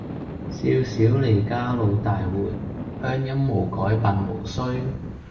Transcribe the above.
少小離家老大回，鄉音無改鬢毛衰。